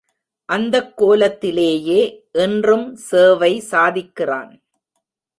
அந்தக் கோலத்திலேயே இன்றும் சேவை சாதிக்கிறான்.